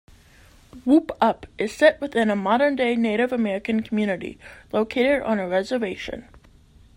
"Whoop-Up" is set within a modern-day Native American community located on a reservation.